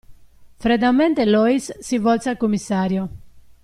Freddamente, Loïs si volse al commissario.